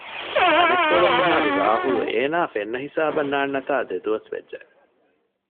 އަނެއްކޮޅުން މިހާރު ރާހުލް އޭނާ ފެންނަ ހިސާބަށް ނާންނަތާ ދެދުވަސް ވެއްޖެ